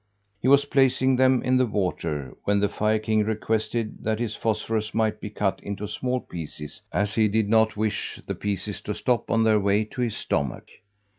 He was placing them in the water, when the fire king requested that his phosphorus might be cut into small pieces, as he did not wish the pieces to stop on their way to his stomach.